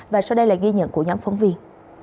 và sau đây là ghi nhận của nhóm phóng viên